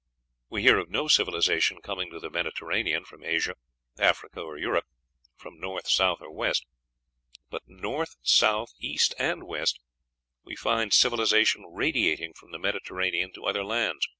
We hear of no civilization coming to the Mediterranean from Asia, Africa, or Europe from north, south, or west; but north, south, east, and west we find civilization radiating from the Mediterranean to other lands.